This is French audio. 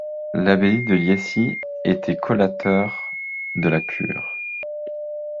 L’abbaye de Liessies était collateur de la cure.